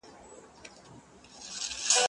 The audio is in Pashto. زه هره ورځ زده کړه کوم